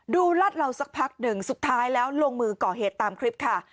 รัดเหล่าสักพักหนึ่งสุดท้ายแล้วลงมือก่อเหตุตามคลิปค่ะ